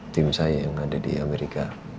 tim saya yang ada di amerika